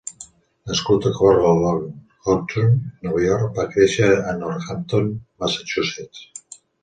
Nascut a Cornwall-on-Hudson, Nova York, va créixer a Northampton, Massachusetts.